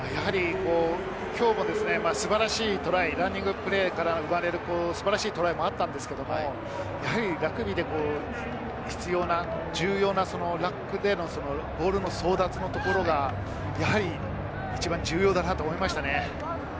きょうも素晴らしいトライ、ランニングプレーから生まれる素晴らしいトライがあったんですけれども、ラグビーで重要なラックでのボールの争奪のところが一番重要だなと思いましたね。